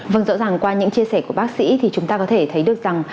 vâng rõ ràng qua những chia sẻ của bác sĩ thì chúng ta có thể thấy được rằng